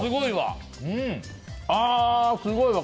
すごいわ。